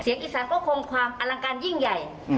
อีสานก็คงความอลังการยิ่งใหญ่